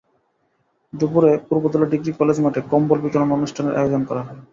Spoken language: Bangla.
দুপুরে পূর্বধলা ডিগ্রি কলেজ মাঠে কম্বল বিতরণ অনুষ্ঠানের আয়োজন করা হয়।